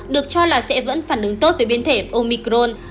được cho là sẽ vẫn phản ứng tốt với biến thể omicron